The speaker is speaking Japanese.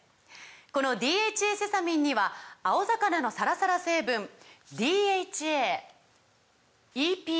この「ＤＨＡセサミン」には青魚のサラサラ成分ＤＨＡＥＰＡ